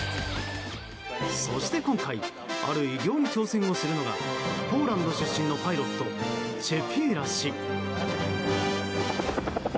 そして今回、ある偉業に挑戦をするのがポーランド出身のパイロットチェピエラ氏。